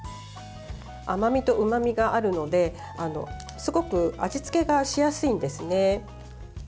甘みと、うまみがあるのですごく味付けがしやすいんですね。